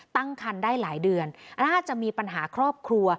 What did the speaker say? ตั้งคันได้หลายเดือนน่าจะมีปัญหาครอบครัว